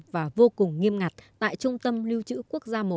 và vô cùng nghiêm ngặt tại trung tâm lưu trữ quốc gia một